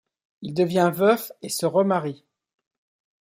Il devient veuf et se remarie.